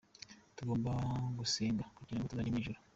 Tugomba gusenga kugirango tuzajye mwijuru.